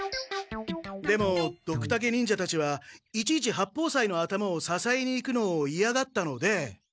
でもドクタケ忍者たちはいちいち八方斎の頭をささえにいくのをいやがったので。